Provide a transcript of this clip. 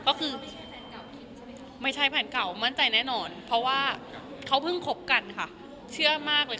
ก็คือไม่ใช่แผนเก่ามั่นใจแน่นอนเพราะว่าเขาเพิ่งคบกันค่ะเชื่อมากเลย